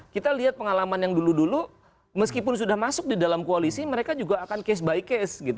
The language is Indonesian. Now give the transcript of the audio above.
kita lihat pengalaman yang dulu dulu meskipun sudah masuk di dalam koalisi mereka juga akan case by case